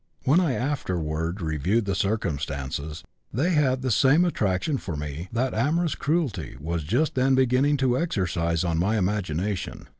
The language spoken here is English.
When I afterward reviewed the circumstances they had the same attraction for me that amorous cruelty was just then beginning to exercise on my imagination.